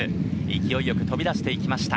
勢いよく飛び出して行きました。